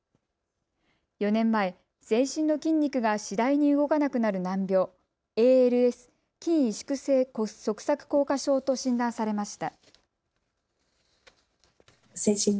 ４年前、全身の筋肉が次第に動かなくなる難病、ＡＬＳ・筋萎縮性側索硬化症と診断されました。